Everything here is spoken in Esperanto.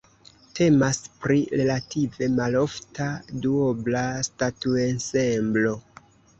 Temas pri relative malofta duobla statuensemblo.